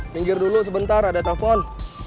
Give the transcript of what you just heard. pinggir dulu sebentar ada telepon